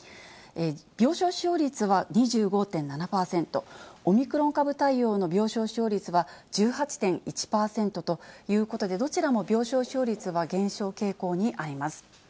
病床使用率は２５．７％、オミクロン株対応の病床使用率は１８．１％ということで、どちらも病床使用率は減少傾向にあります。